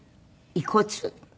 遺骨？